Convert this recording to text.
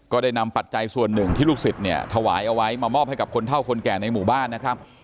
ได้นำปัจจัยส่วนหนึ่งที่ลูกศิษย์เนี่ยถวายเอาไว้มามอบให้กับคนเท่าคนแก่ในหมู่บ้านนะครับ